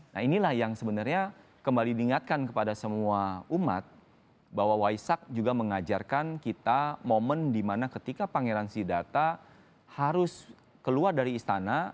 nah inilah yang sebenarnya kembali diingatkan kepada semua umat bahwa waisak juga mengajarkan kita momen dimana ketika pangeran sidata harus keluar dari istana